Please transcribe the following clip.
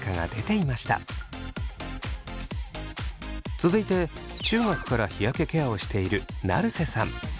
続いて中学から日焼けケアをしている成瀬さん。